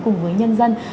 cùng với nhân dân